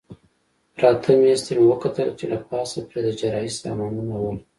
پراته مېز ته مې وکتل چې له پاسه پرې د جراحۍ سامانونه ول.